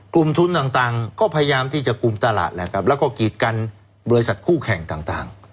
กลุ่มทุนต่างก็พยายามที่จะกลุ่มตลาดแหละครับแล้วก็กีดกันบริษัทคู่แข่งต่าง